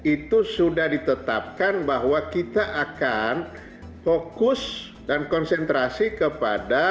itu sudah ditetapkan bahwa kita akan fokus dan konsentrasi kepada